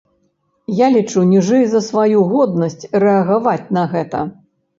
Я лічу ніжэй за сваю годнасць рэагаваць на гэта.